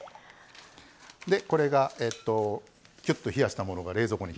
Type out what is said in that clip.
これがきゅっと冷やしたものが冷蔵庫に冷えてますので。